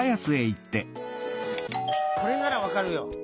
「これならわかるよ」。